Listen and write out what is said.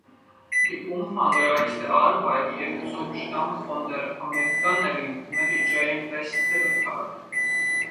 Die umfangreichste Arbeit hierzu stammt von der Amerikanerin Mary Jane West-Eberhard.